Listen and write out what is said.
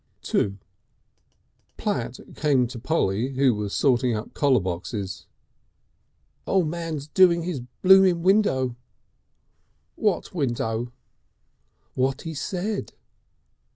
II Platt came to Polly, who was sorting up collar boxes. "O' Man's doing his Blooming Window." "What window?" "What he said."